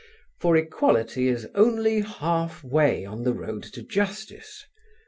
For equality is only half way on the road to justice.